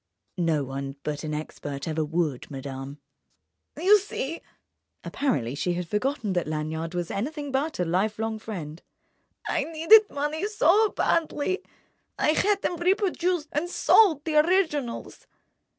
"No one but an expert ever would, madame." "You see"—apparently she had forgotten that Lanyard was anything but a lifelong friend—"I needed money so badly, I had them reproduced and sold the originals."